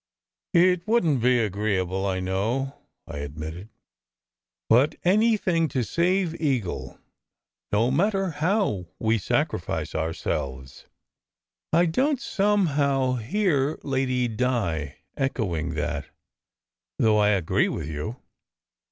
"It wouldn t be agreeable, I know," I admitted. "But anything to save Eagle, no matter how we sacrifice our selves." "I don t somehow hear Lady Di echoing that, though I agree with you.